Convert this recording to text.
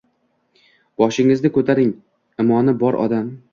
Boshingizni ko‘taring imoni bor odam